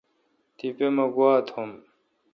تی پہ مہ گواؙ تھم۔